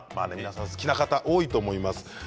お好きな方、多いと思います。